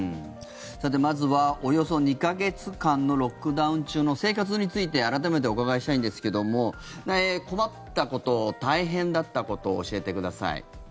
まずは、およそ２か月間のロックダウン中の生活について改めてお伺いしたいんですけども困ったこと、大変だったこと教えてください。